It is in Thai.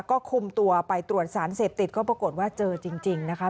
ก็คุมตัวไปตรวจสารเสพติดก็ปรากฏว่าเจอจริงนะคะ